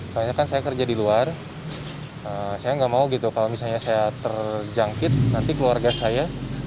soalnya kan saya kerja di luar saya nggak mau gitu kalau misalnya saya terjangkit nanti keluarga saya